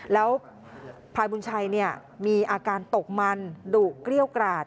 แล้วพลายบุญชัยมีอาการตกมันดุเกรี้ยวกราด